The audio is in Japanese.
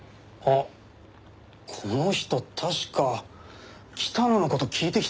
この人確か北野の事聞いてきたな。